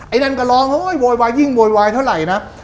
ไอ้นั่นก็ร้องเยี่ยงโวยวายเท่าไหร่นะ